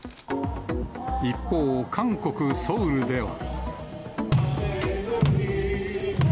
一方、韓国・ソウルでは。